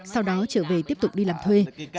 sau đó trở về tiếp tục đi làm việc